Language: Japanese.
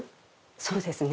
そうですね。